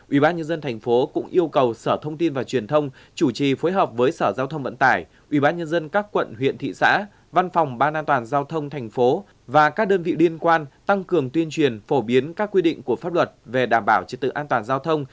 ubnd tp cũng yêu cầu sở thông tin và truyền thông chủ trì phối hợp với sở giao thông vận tải ubnd các quận huyện thị xã văn phòng ban an toàn giao thông thành phố và các đơn vị liên quan tăng cường tuyên truyền phổ biến các quy định của pháp luật về đảm bảo trật tự an toàn giao thông